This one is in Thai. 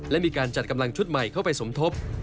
และมีการจัดกำลังชุดใหม่เข้าไปสมทบ